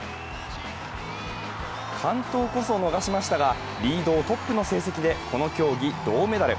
完登こそ逃しましたがリードをトップの成績で、この競技銅メダル。